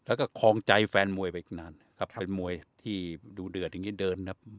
แล้วก็คลองใจแฟนมวยไปนานครับเป็นมวยที่ดูเดือดอย่างนี้เดินครับ